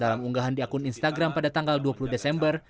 dalam unggahan di akun instagram pada tanggal dua puluh desember